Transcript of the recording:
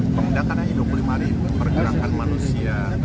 pembedakan hidup limari itu pergerakan manusia